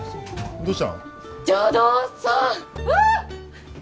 どうした？